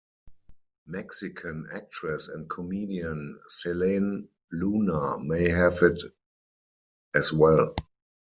Mexican actress and comedian Selene Luna may have it as well.